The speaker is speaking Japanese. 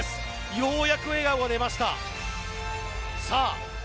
ようやく笑顔が出ました。